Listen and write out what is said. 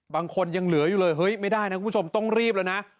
บางคนยังเหลืออยู่เลยเฮ้ยไม่ได้นะคุณผู้ชมต้องรีบแล้วนะ